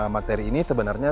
materi ini sebenarnya